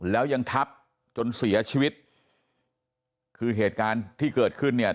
แล้วยังทับจนเสียชีวิตคือเหตุการณ์ที่เกิดขึ้นเนี่ย